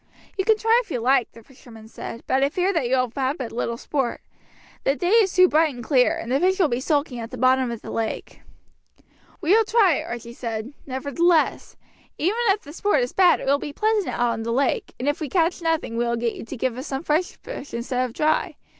"You can try if you like," the fisherman said, "but I fear that you will have but little sport. The day is too bright and clear, and the fish will be sulking at the bottom of the lake." "We will try," Archie said, "nevertheless. Even if the sport is bad it will be pleasant out on the lake, and if we catch nothing we will get you to give us some fresh fish instead of dry.